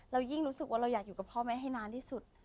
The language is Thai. ยิ่งรู้สึกว่าเราอยากอยู่กับพ่อแม่ให้นานที่สุด